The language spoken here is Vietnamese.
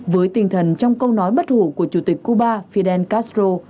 với tinh thần trong câu nói bất hủ của chủ tịch cuba fidel castro